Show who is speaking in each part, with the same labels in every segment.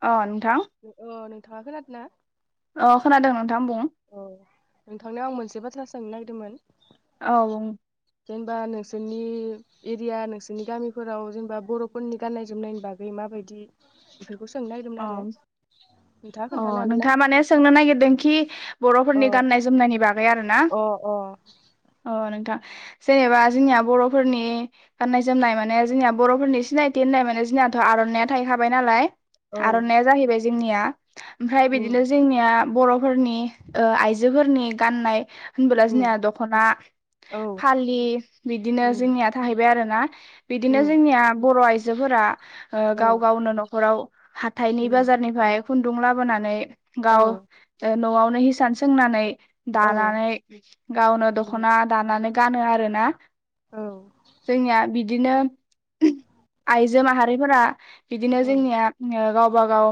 Speaker 1: अ। नोंथां
Speaker 2: अह'नोंथां। नोंथाङा खोनादों ना?
Speaker 1: अ' खोनादों नोंथां बुं।
Speaker 2: नोंथांनियाव आं मोनसे बाथ्रा सोंनो नागिरदोंमोन
Speaker 1: औ बुं।
Speaker 2: जेनेबा नोंसोरनि एरिया नोंसोरनि गामिफोराव जेनेबा बर'फोरनि गाननाय जोमनायनि बागै माबायदि सोंनो नागिरदोंमोन आरो
Speaker 1: अंह
Speaker 2: नोंथाङा खोन्थानो
Speaker 1: अह
Speaker 2: हागोन ना
Speaker 1: नोंथाङा माने सोंनो नागिरदोंखि
Speaker 2: अ
Speaker 1: बर'फोरनि गाननाय जोमनायनि बागै आरोना
Speaker 2: अ अ
Speaker 1: अ'नों जेनेबा जोंनिया बर'फोरनि गाननाय जोमनाय माने जोंनिया बर'फोरनि सिनायथि होननाय माने जोंनियाथ' आर'नाइया थाहैखाबाय नालाय।
Speaker 2: औ
Speaker 1: आर'नाइया जाहैबाय जोंनिया ओमफ्राय
Speaker 2: उम
Speaker 1: बिदिनो जोंनिया बर'फोरनि ओ आइजोफोरनि गाननाय होनबोला
Speaker 2: उम
Speaker 1: जोंनिया दख'ना
Speaker 2: औ
Speaker 1: फालि बिदिनो
Speaker 2: उम
Speaker 1: जोंनिया थाहैबाय आरो। ना। बिदिनो
Speaker 2: उम
Speaker 1: जोंनिया बर'आइजो आइजोफोरा ओ
Speaker 2: औ
Speaker 1: गाव गावनो न'खराव हाथायनि
Speaker 2: उम
Speaker 1: बाजारनिफ्राय खुन्दुं लाबोनानै
Speaker 2: औ
Speaker 1: गाव ओ न'आवनो हिसान सों सोंनानै
Speaker 2: औ
Speaker 1: दानानै गावनो
Speaker 2: उम
Speaker 1: दख'ना दानानै गानो आरो ना
Speaker 2: औ
Speaker 1: जोंनिया बिद बिदिनो आइजो माहारिफोरा बिदिनो
Speaker 2: औ
Speaker 1: जोंनिया ओ गावबा गाव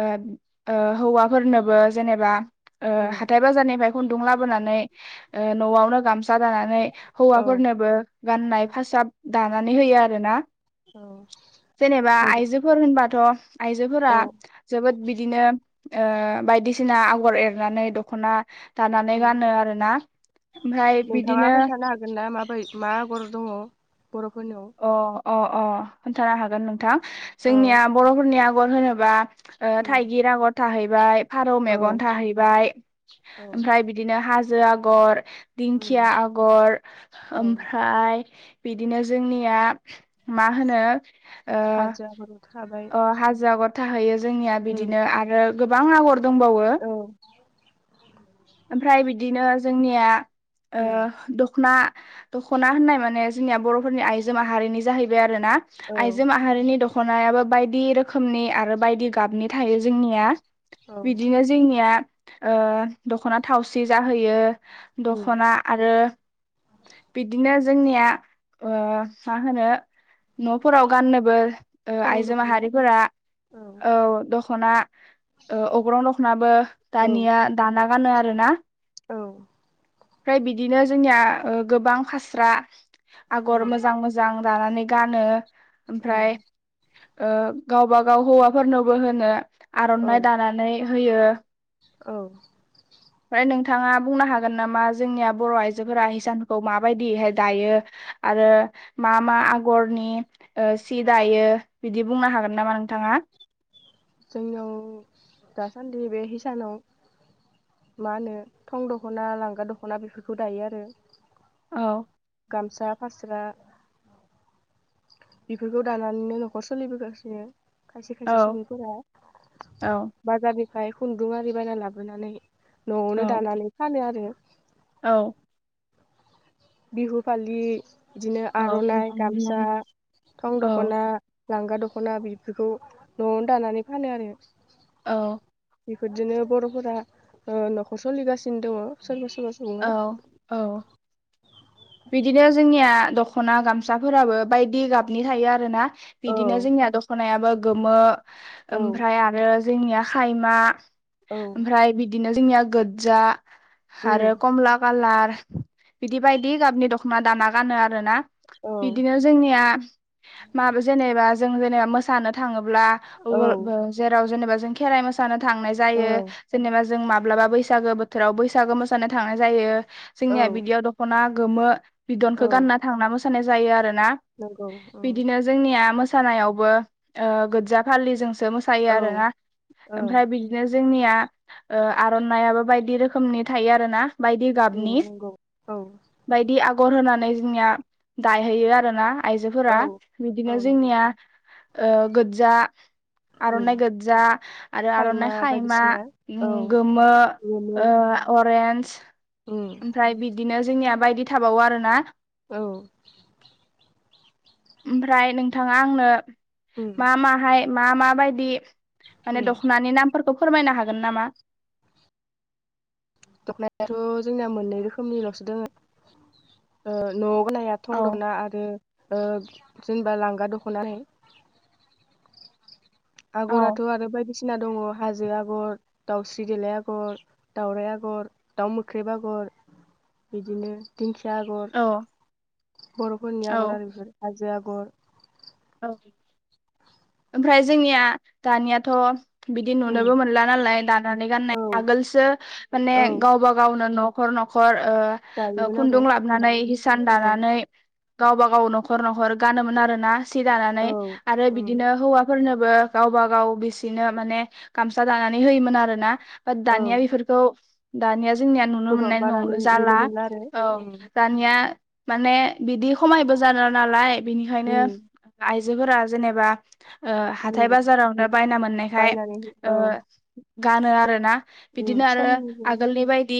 Speaker 1: ओ -ओ हौवाफोरनोबो जेनेबा ओ
Speaker 2: उम
Speaker 1: हाथाय बाजारनिफ्राय खुन्दुं लाबोनानै ओ न'वावनो गामसा दानानै
Speaker 2: औ
Speaker 1: हौवाफोरनोबो गाननाय फासाब दानानै होयो आरो ना
Speaker 2: औ
Speaker 1: जेनेबा
Speaker 2: नोंथां
Speaker 1: आइजोफोर होनबा [unintelligible] आइजोफोरा
Speaker 2: औ
Speaker 1: जोबोद बिदिनो ओ बायदिसिना आगर एरनानै दख'ना दानानै
Speaker 2: ओं
Speaker 1: गानो आरोना ओमफ्राय
Speaker 2: नोंथाङा
Speaker 1: बिदिनो
Speaker 2: खोन्थानो हागोन ना माबाय मा आगर दङ? बर'फोरनियाव
Speaker 1: अ अ अ खोनथानो हागोन नों थां
Speaker 2: औ
Speaker 1: जोंनिया बर'फोरनिया गर होनोबा ओ
Speaker 2: उम
Speaker 1: थाइगिर आगर थाहै ओमफाय फारौ
Speaker 2: औ
Speaker 1: मेगन थाहैबाय
Speaker 2: औ
Speaker 1: ओमफ्राय बिदिनो हा जो आगर दिंखिया
Speaker 2: उम
Speaker 1: आगर
Speaker 2: औ
Speaker 1: ओमफ्राय बिदिनो जोंनिया मा होनो ओ
Speaker 2: हारसाफोरबो थाबाय
Speaker 1: अ हाजो आगर थाहैयो जोंनिया
Speaker 2: उम
Speaker 1: बिदिनो आरो गोबां आगर दंबावो।
Speaker 2: औ
Speaker 1: ओमफ्राय बिदिनो जोंनिया ओ
Speaker 2: उम
Speaker 1: दख'ना दख'ना होननाय माने जोंनिया बर'फोरनि आइजो माहारिनि जाहैबाय आ रोना
Speaker 2: औ
Speaker 1: आइजो माहारिनि द खनायाबो बायदि रोखोमनि आरो बायदि गाबनि थायो जोंनिया।
Speaker 2: औ
Speaker 1: बिदिनो जोंनिया ओ दख'ना थावसि जाहोयो।
Speaker 2: उम
Speaker 1: दख'ना आरो बिदिनो जोंनिया ओ मा होनो न'फोराव गाननोबो ओ
Speaker 2: थं
Speaker 1: आइजो
Speaker 2: दख'ना
Speaker 1: माहारिफोरा औ दख'ना ओ अग्रं दख'नाबो
Speaker 2: औ
Speaker 1: दानिया दाना गानो आरो ना।
Speaker 2: औ।
Speaker 1: ओमफ्राय बिदिनो जोंनिया ओ गोबां फास्रा आगर मोजां मोजां दानानै गानो। ओमफ्राय
Speaker 2: उम
Speaker 1: ओ गावबा गाव हौवाफोरनोबो होनो
Speaker 2: औ
Speaker 1: आर'नाइ दानानै होयो।
Speaker 2: औ।
Speaker 1: ओमफ्राय नोंथाङा बुंनो हागोन नामा जोंनिया बर' आइजोफोरा हिसानफोरखौ माबायदिहाय दायो आरो मा मा आगरनि सि दायो बिदि बुंनो हागोन नामा नोंथाङा?
Speaker 2: जोंनयाव दासान्दि बे हिसानाव मा होनो थं दख'ना लांगा दख'ना बेफोरखौ दायो आरो।
Speaker 1: औ
Speaker 2: गामसा, फास्रा। बेफोरखौ दानानैनो न'खर सोलिबोगासिनो। खायसे खायसे
Speaker 1: औ
Speaker 2: सुबुंफोरा
Speaker 1: औ
Speaker 2: बाजार ओमफ्राय खुन्दुं आरि बायना लाबोनानै
Speaker 1: औ
Speaker 2: न'आवनो दानानै फानो आरो।
Speaker 1: औ।
Speaker 2: बिहु फालि। बिदिनो
Speaker 1: औ
Speaker 2: आर'नाइ गामसा थं
Speaker 1: औ
Speaker 2: दख'ना लांगा दख'ना दख'ना बेफोरखौ न'आवनो दानानै फानो आरो।
Speaker 1: औ।
Speaker 2: बेफोरजोंनो बर'फोरा न'खर सोलिगासिनो दङ।
Speaker 1: औ औ
Speaker 2: [unintelligible]
Speaker 1: बिदिनो जोंनिया दख'ना गामसाफोराबो बायदि गाबनि थायो आरोना।
Speaker 2: औ
Speaker 1: बिदिनो जोंनिया दख'नायाबो गोमो
Speaker 2: औ
Speaker 1: ओमफ्राय आरो जोंनियाखायमा
Speaker 2: औ
Speaker 1: ओमफ्राय बिदिनो जोंनिया गोजा
Speaker 2: उम
Speaker 1: आरो कमला खालार। बिदिबा गाबनि दख'ना दाना गानो आरो ना।
Speaker 2: औ
Speaker 1: बिदिनो जोंनिया माबा जेनेबा जों जेनेबा मोसानो थाङो ब्ला
Speaker 2: औ
Speaker 1: जेराव जेनेबा जों खेराय मोसानो थांनाय
Speaker 2: औ
Speaker 1: जायो जेनेबा जों माब्लाबा बैसागो बोथोराव बैसागो मोसानो थांनाय जायो।
Speaker 2: औ
Speaker 1: जोंनिया बिदियाव द गोमो।
Speaker 2: औ
Speaker 1: बिदनखौ गानना थांना मो। मोसानाय जायो आरो। ना
Speaker 2: नंगौ उम
Speaker 1: बिदिनो जोंनिया मो। मोसानायावबो ओ गोजा फालि ज सो मोसायो
Speaker 2: औ
Speaker 1: आरोना
Speaker 2: औ
Speaker 1: ओमफ्राय बिदिनो जोंनिया। आर'नायाबो बायदि रोखोमनि थायो आरो ना। बायदि
Speaker 2: उम
Speaker 1: गाबनि।
Speaker 2: नंगौ औ
Speaker 1: बायदि आगर होनानै जोंनिया दाहैयो आरोना।
Speaker 2: औ
Speaker 1: आइजोफोरा
Speaker 2: औ
Speaker 1: बिदिनो
Speaker 2: नंगौ
Speaker 1: जोंनिया गोजा
Speaker 2: उम
Speaker 1: आर'नाइ गोज्जा आरो आर'नाइ खायमा
Speaker 2: बायदिसिना औ
Speaker 1: गोमो
Speaker 2: गोमो
Speaker 1: अरेन्ज
Speaker 2: उम
Speaker 1: ओमफ्राय बिदिनो। जोंनिया बायदि थाबावो आरोना।
Speaker 2: औ।
Speaker 1: ओमफ्राय नोंथाङा आंनो।
Speaker 2: उम
Speaker 1: मा माहाय मा मा। बायदि माने
Speaker 2: उम
Speaker 1: दखनानि नाम फोरखौ फोरमायनो हागोन नामा।
Speaker 2: दख'नायाथ' जोंनाया मोननै रोखोमनिल'सो दङ न'
Speaker 1: औ
Speaker 2: [unintelligible] आरो। जेनेबा लांगा दख'ना
Speaker 1: औ
Speaker 2: आगराथ' आरो बायदि बायदिसिना दङ हाजो आगर दाउस्रि देलाय आगर दावराइ आगर दाउ मोख्रेब आगर बिदिनो दिंखि आगर
Speaker 1: औ
Speaker 2: बर'फोरनि आगर
Speaker 1: औ
Speaker 2: आरो बिफोर हाजो आगर आगर
Speaker 1: औ ओमफ्राय जोंनिया दानियाथ'। बिदि
Speaker 2: उम
Speaker 1: नुनोबो मोनला नालाय दानानै गाननाय
Speaker 2: औ
Speaker 1: आगोलसो माने
Speaker 2: औ
Speaker 1: गावबा गावनो न' न'खर न'खर। ओ
Speaker 2: दायोमोन आरो
Speaker 1: खुन्दुं लाबनानै हिसान
Speaker 2: औ
Speaker 1: दानानै गावबा गाव न'खर न'खर गानोमोन आरो ना। सि दानानै
Speaker 2: औ
Speaker 1: आरो
Speaker 2: उम
Speaker 1: बिदिनो हौवा फोरनोबो गावबा गाव बिसिनो माने गामसा दानानै होयोमोन आरो ना बा
Speaker 2: औ
Speaker 1: दानिया बेफोरखौ दानिया जोंनिया नुनो
Speaker 2: गोबां
Speaker 1: मोननाय न
Speaker 2: बारा
Speaker 1: जाला
Speaker 2: नुनो मोनला आरो
Speaker 1: औ
Speaker 2: उम
Speaker 1: दानिया माने बिदि खमायबो जाला नालाय बेनिखायनो
Speaker 2: उम
Speaker 1: आइजोफोरा जेनेबा ओ
Speaker 2: उम
Speaker 1: हाथाय बाजारावनो बायना मोननायखाय
Speaker 2: बायनानै
Speaker 1: ओ
Speaker 2: औ
Speaker 1: गानो आरो ना
Speaker 2: उम
Speaker 1: बिदिनो आरो
Speaker 2: समनिबो
Speaker 1: आगोलनि बायदि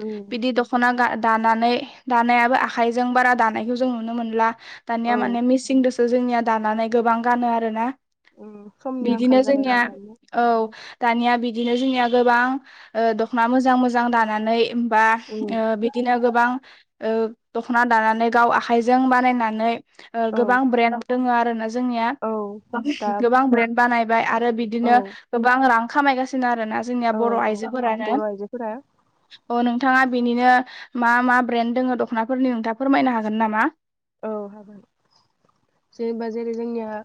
Speaker 2: उम
Speaker 1: बिदि दख'ना ग दानानै दानायाबो आखाइजों बारा दानायखौ जों नुनो मोनला दानिया
Speaker 2: औ
Speaker 1: माने मिसिं दो- बो जोंनिया दानानै गोबां गानो आरो ना
Speaker 2: उम समनि आंखाल
Speaker 1: बिदिनो जोंनिया
Speaker 2: जाबायना दानिया
Speaker 1: औ दानिया बिदिनो जोंनिया गोबां दख'ना मोजां मोजां दानानै बा
Speaker 2: उम
Speaker 1: बिदिनो गोबां ओ दख'ना दानानै गाव आखाइजों बानायनानै
Speaker 2: औ
Speaker 1: गोबां ब्रेन दङ आरो जोंनिया
Speaker 2: औ दा
Speaker 1: गोबां ब्रे बानायबाय आरो
Speaker 2: औ
Speaker 1: बिदिनो गोबां रां खामायगासिनो आरो आरोना जोंनिया
Speaker 2: औ
Speaker 1: बर'
Speaker 2: औ
Speaker 1: आइजोफोरानो नों
Speaker 2: बर' आइजोफोरा
Speaker 1: अ नों- नोंथाङा बेनिनो मा मा ब्रेन्ड दोङ दख'नाफोरनि नोंथाङा फोरमायनो हागोन नामा
Speaker 2: औ हागोन जेनेबा जेरै जोंनिया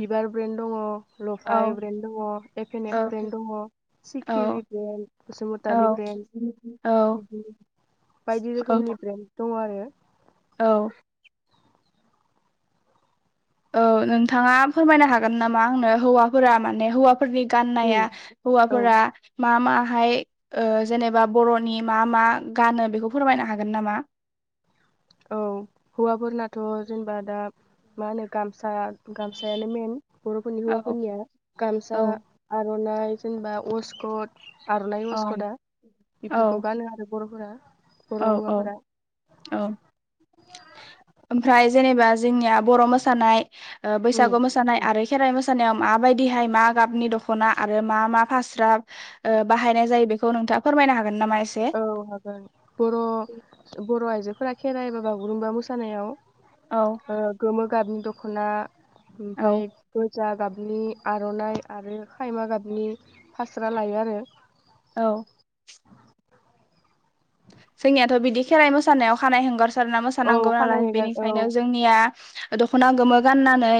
Speaker 2: बिबार ब्रेन्ड दङ
Speaker 1: औ
Speaker 2: लफाय ब्रेन्ड दङ एफ एन
Speaker 1: औ
Speaker 2: एफ ब्रेन्ड दङ
Speaker 1: औ
Speaker 2: सिखिरि ब्रेन्ड
Speaker 1: औ
Speaker 2: बसुमतारि ब्रेन्ड
Speaker 1: औ
Speaker 2: बि बायदि
Speaker 1: औ
Speaker 2: रोखोमनि ब्रेन्ड दङ आरो
Speaker 1: औ औ नोंथाङा फोरमायनो हागोन नामा आंनो हौवाफोरा माने हौवाफोरा फोरनि
Speaker 2: उम
Speaker 1: गाननाया
Speaker 2: औ
Speaker 1: हौवाफोरा मा मा बेहाय ओ जेनेबा बर'नि मा मा गानो बेखौ फोरमायनो हागोन नामा
Speaker 2: औ हौवाफोरनाथ' जेनेबा दा मा होनो गाम गामसायानो मेन बर'फोरनि
Speaker 1: औ
Speaker 2: हौवाफोरनिया गामसा
Speaker 1: औ
Speaker 2: आर- नाय जेनेबा अस्कट आर'नाइ
Speaker 1: औ
Speaker 2: अस्कदा
Speaker 1: औ
Speaker 2: बेफोरखौ गानो आरो बर'फोरा बर'
Speaker 1: औ औ
Speaker 2: हौवाफोरा
Speaker 1: औ ओमफ्राय जेनेबा जोंनिया बर' मोसानाय
Speaker 2: उम
Speaker 1: बैसागु मोसानाय आरो खेराइ मोसानायाव मााबायदिहाय मा गाबनि दख'ना आरो मा मा फास्रा बाहायनाय जायो बेखौ नोंथाङा फोरमायनो हागोन फोरमायगोन ना इसे
Speaker 2: औ हागोन बर' बर आयजोफोरा खेराइ एबा बागुरुम्बा मोसानायाव
Speaker 1: औ
Speaker 2: ओ गोमो गाबनि दख'ना
Speaker 1: औ
Speaker 2: ओमफ्राय फुजा गाबनि आर'नाइ आरो खायमा गाबनि फास्रा लायो आरो
Speaker 1: औ जोंनियाथ' बिदि खेराइ मोसानायाव खानाय हेंगारसिग सारना
Speaker 2: औ
Speaker 1: मोसानांगौ
Speaker 2: खानाय
Speaker 1: नालाय
Speaker 2: हगार औ
Speaker 1: बेनिखायनो जोंनिया दख'ना गोमो गाननानै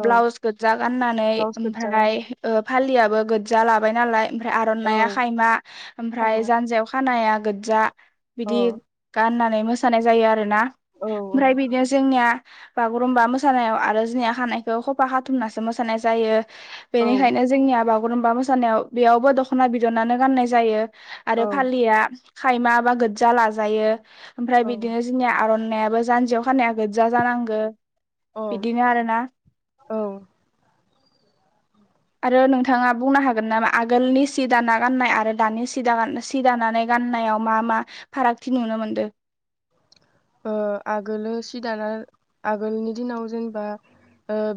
Speaker 2: औ
Speaker 1: ब्लावस गोजा गानानै
Speaker 2: ब्लाउस गोजा गानो
Speaker 1: फालिआ गो्जा लाबाय नालाय ओमफ्राय
Speaker 2: औ
Speaker 1: आर'नाइया खायमा ओमफ्राय
Speaker 2: खायमा
Speaker 1: जानजियाव खानाया गोगजा
Speaker 2: अ
Speaker 1: बिदि
Speaker 2: औ
Speaker 1: गाननानै मोसानाय जायो आरो आरोना
Speaker 2: औ
Speaker 1: ओमफ्राय बिदि जोंनिया बागुरुमबा मोसानायाव आरो जोंनिया हानायखौ खफा खाथुमनासो मोसानाय जायो
Speaker 2: औ
Speaker 1: बेनिखायनो जोंनि आबाद बागुरुम्बा मोसानायाव बेयावबो दख'ना बिदनानो गाननाय जायो आरो
Speaker 2: औ
Speaker 1: फालिया खायमा माबा गोजा लाजायो ओमफ्राय
Speaker 2: औ
Speaker 1: बिदिनो जोंनिया आर'ना खानायाबो जान्जियाव खानाया गोज्जा जानांगो
Speaker 2: औ
Speaker 1: बिदिनो आरोना
Speaker 2: औ
Speaker 1: आरो नोंथाङा बुंनो हागोन नामा आगोलनि सि दाना गाननाय आरो दानि सि सि दानानै गाननायाव मा मा फारागथि नुनो मोनदों
Speaker 2: आगोलो सि दाना आगोलनि दिनाव जेनेबा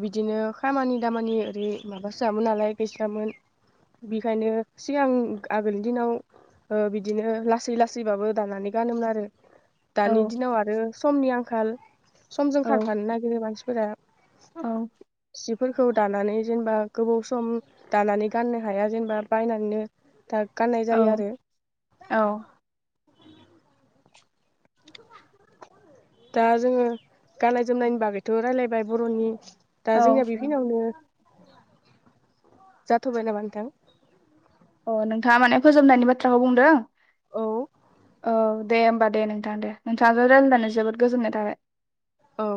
Speaker 2: बिदिनो खामानि दामानि ओरै माबासो जामोन नालाय गैसामोन बेखायनो सिगां आगोलनि दिनाव बिदिनो लासै लासैबाबो दानानै गानोमोन आरो
Speaker 1: औ
Speaker 2: दानि बिदिनाव आरो समनि आं खाल। समजों
Speaker 1: औ
Speaker 2: खारफानो नागिरो मान [unintelligible]
Speaker 1: औ
Speaker 2: फोरखौ दानानै जेनेबा गोबाव सम दानानै गाननो हाया जेनेबा बायनानैनो दा गाननाय
Speaker 1: औ
Speaker 2: जायो आरो
Speaker 1: औ
Speaker 2: दा जोङो गाननाय जोमनायनि बागैथ' रायलायबाय बर'नि दा
Speaker 1: औ
Speaker 2: जोंनिया बिखिनियावनो जाथ'बाय नामा नोथां।
Speaker 1: अ नोंथाङा माने फोजोबनायनि बाथ्राखौ बुंदों।
Speaker 2: औ
Speaker 1: औ दे होमबा दे नोंथां दे नोंथांजों रायज्लायनानै जोबोद गोजोननाय थाबाय।
Speaker 2: औ